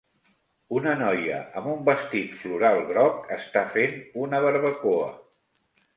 Una noia amb un vestit floral groc està fent una barbacoa.